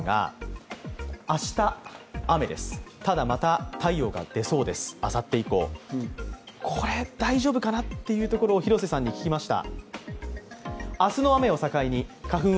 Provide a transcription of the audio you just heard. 明日、雨です、ただ、また太陽が出そうです、あさって以降、これ、大丈夫かなっていうところを広瀬さんに聞きました。